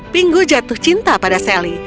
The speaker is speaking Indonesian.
pinggu jatuh cinta pada sally